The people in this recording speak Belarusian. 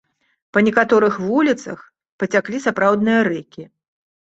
Па некаторых вуліцах пацяклі сапраўдныя рэкі.